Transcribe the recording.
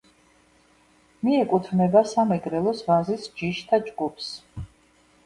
მიეკუთვნება სამეგრელოს ვაზის ჯიშთა ჯგუფს.